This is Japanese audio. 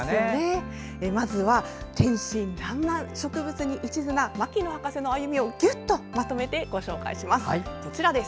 まずは、天真らんまん植物にいちずな牧野博士の歩みをぎゅっとまとめてご紹介します。